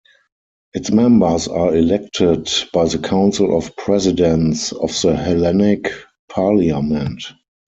Its members are elected by the Council of Presidents of the Hellenic Parliament.